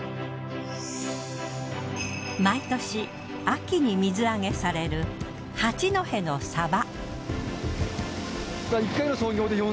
毎年秋に水揚げされる八戸のサバ。